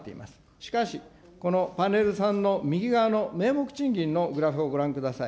しかし、このパネル３の右側の名目賃金のグラフをご覧ください。